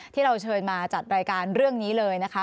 ที่เราเชิญมาจัดรายการเรื่องนี้เลยนะคะ